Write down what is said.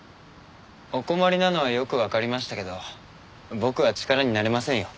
お困りなのはよくわかりましたけど僕は力になれませんよ。